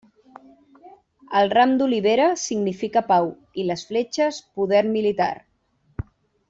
El ram d'olivera significa pau i les fletxes, poder militar.